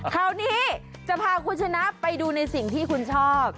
คราวนี้จะพาคุณชนะไปดูในสิ่งที่คุณชอบ